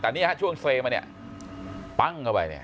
ตอนนี้ฮะช่วงเซห์มาเนี่ยปั้งกับไปเนี้ย